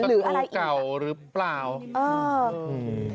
หรืออะไรอีกตัวเก่าหรือเปล่าเออ